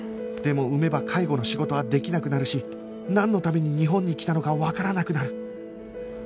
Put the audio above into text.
でも産めば介護の仕事はできなくなるしなんのために日本に来たのかわからなくなる